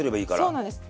そうなんです。